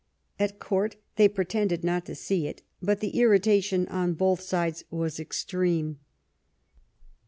At Court they pretended not to see it, but the irritation on both sides was extreme.